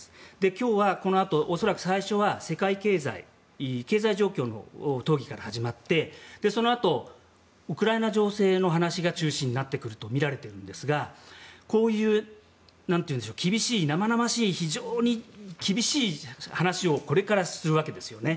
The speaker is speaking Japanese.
今日はこのあと恐らく最初は世界経済経済状況の討議から始まってそのあと、ウクライナ情勢の話が中心になっていくとみられているんですがこういう生々しい非常に厳しい話をこれからするわけですよね。